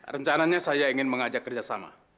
rencananya saya ingin mengajak kerjasama